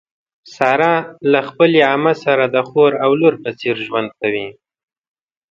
ساره له خپلې عمه سره د خور او لور په څېر ژوند کوي.